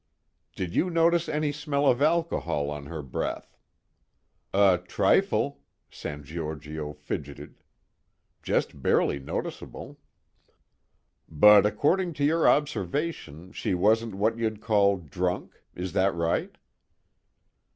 "Did you notice any smell of alcohol on her breath?" "A trifle." San Giorgio fidgeted. "Just barely noticeable." "But according to your observation, she wasn't what you'd call drunk, is that right?"